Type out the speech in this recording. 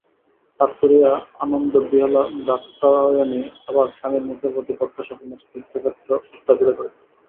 পাঠ করিয়া আনন্দবিহ্বলা দাক্ষায়ণী আবার স্বামীর মুখের প্রতি প্রত্যাশাপূর্ণ স্নিগ্ধনেত্র উত্থাপিত করিলেন।